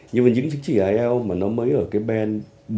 nhưng mà những chứng chỉ ielts mà nó mới ở cái bên bốn năm sáu